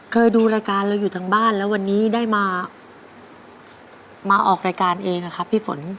เคยดูรายการเราอยู่ทางบ้านแล้ววันนี้ได้มาออกรายการเองอะครับพี่ฝน